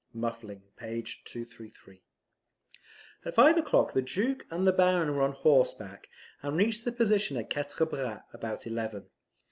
[Muffling, p. 233.] At five o'clock the Duke and the Baron were on horseback, and reached the position at Quatre Bras about eleven.